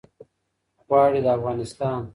غواړي د افغانستان